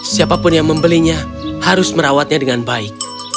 siapapun yang membelinya harus merawatnya dengan baik